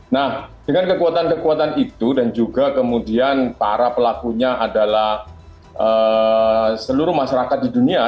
nah dengan kekuatan kekuatan itu dan juga kemudian para pelakunya adalah seluruh masyarakat di dunia